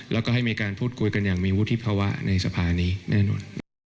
แล้วก็ให้มีการพูดคุยกันอย่างมีวุฒิภาวะในสภานี้แน่นอน